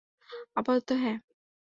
আপাতত, হ্যাঁ।